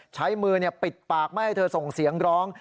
ใช้มือปิดปากไม่ให้เธอส่งเสียงร้อง